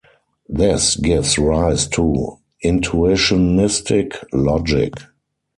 This gives rise to intuitionistic logic.